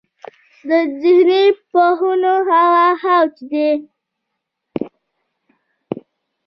د ذهني پوهنو هغه اوج دی.